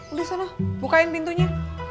udah sono bukain pintunya